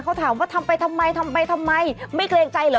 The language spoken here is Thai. เขาถามว่าทำไปทำไมทำไปทำไมไม่เกรงใจเหรอ